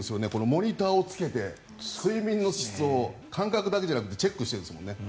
モニターをつけて睡眠の質を感覚だけじゃなくてチェックしてるんですもんね。